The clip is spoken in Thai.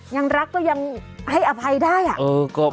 ยังรักก็ยังให้อภัยได้อ่ะ